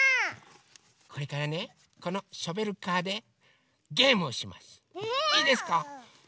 これからねこのショベルカーでゲームをします。え？